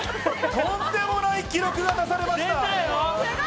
とんでもない記録が出されました。